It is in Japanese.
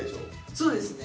そうですね。